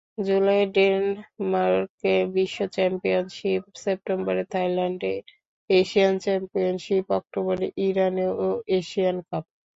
জুলাইয়ে ডেনমার্কে বিশ্ব চ্যাম্পিয়নশিপ, সেপ্টেম্বরে থাইল্যান্ডে এশিয়ান চ্যাম্পিয়নশিপ, অক্টোবরে ইরানে এশিয়ান কাপ।